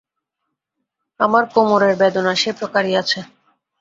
আমার কোমরের বেদনা সেই প্রকারই আছে।